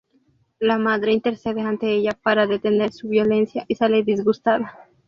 La madre intercede ante ella para detener su violencia, y sale disgustada.